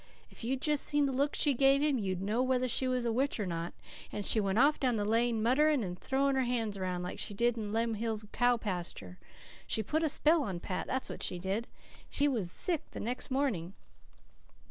If you'd just seen the look she gave him you'd know whether she was a witch or not. And she went off down the lane, muttering and throwing her hands round, just like she did in Lem Hill's cow pasture. She put a spell on Pat, that's what she did. He was sick the next morning."